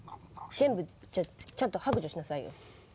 全部じゃあちゃんと白状しなさいよ。